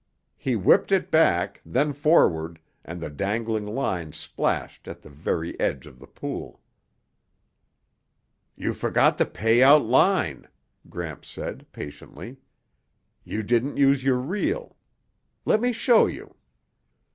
He whipped it back, then forward, and the dangling line splashed at the very edge of the pool. "You forgot to pay out line," Gramps said patiently. "You didn't use your reel. Let me show you."